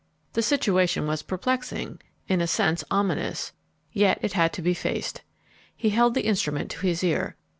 The situation was perplexing, in a sense ominous, yet it had to be faced. He held the instrument to his ear.